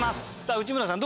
内村さん